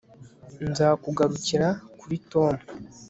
nzakugarukira kuri tom